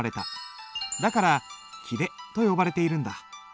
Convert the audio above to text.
だから「切」と呼ばれているんだ。